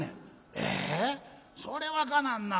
「ええ？それはかなわんな。